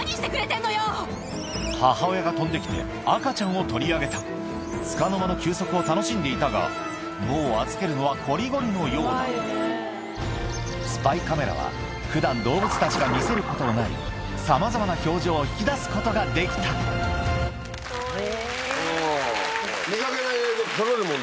母親が飛んできて赤ちゃんを取り上げたつかの間の休息を楽しんでいたがもう預けるのはこりごりのようだスパイカメラは普段動物たちが見せることのないさまざまな表情を引き出すことができたおぉ見かけない映像撮れるもんですね。